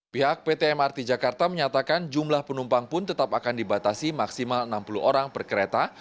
pihak pt mrt jakarta menyatakan jumlah penumpang pun tetap akan dibatasi maksimal enam puluh orang per kereta